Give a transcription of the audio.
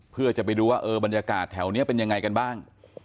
เพื่อจะไปดูว่าเออบรรยากาศแถวนี้เป็นยังไงกันบ้าง